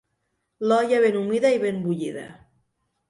L'olla ben humida i ben bullida.